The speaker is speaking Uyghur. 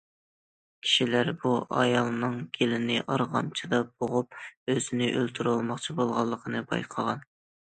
كىشىلەر بۇ ئايالنىڭ گېلىنى ئارغامچىدا بوغۇپ ئۆزىنى ئۆلتۈرۈۋالماقچى بولغانلىقىنى بايقىغان.